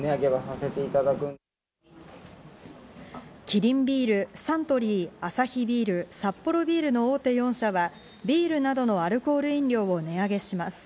キリンビール、サントリー、アサヒビール、サッポロビールの大手４社はビールなどのアルコール飲料を値上げします。